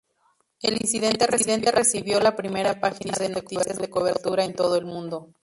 El incidente recibió la primera página de noticias de cobertura en todo el mundo.